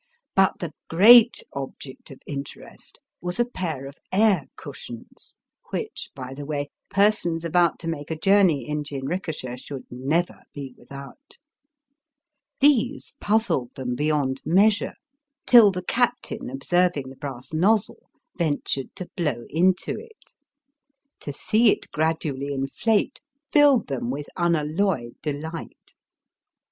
But the great object of in terest was a pair of air cushions, which, by the way, persons about to make a journey in jinrikisha should never be without. These puzzled them beyond measm'e, till the captain Digitized by VjOOQIC BOADSIDE AND BTTEB. 279 observing the brass nozzle, ventured to blow into it. To see it gradually inflate filled them with unalloyed delight.